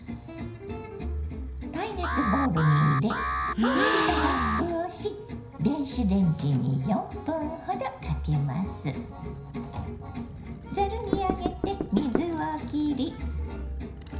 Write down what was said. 耐熱ボウルに入れふんわりとラップをし電子レンジにざるに上げて水をきり。